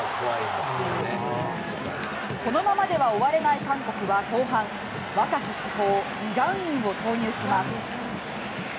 このままでは終われない韓国は後半若き至宝イ・ガンインを投入します。